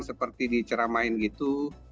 seperti di ceramain gitu